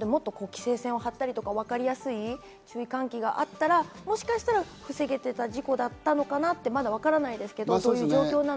なので、もっと規制線を張ったり、わかりやすい注意喚起があったら、もしかしたら防げてた事故だったのかなって、まだわからないですけど、どういう状況なのか。